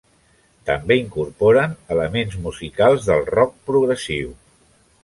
També incorporen elements musicals del rock progressiu.